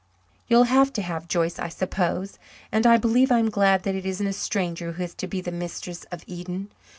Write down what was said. You'll have to have Joyce, I suppose. And I believe I'm glad that it isn't a stranger who is to be the mistress of Eden.